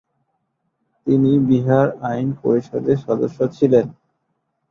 তিনি বিহার আইন পরিষদের সদস্য ছিলেন।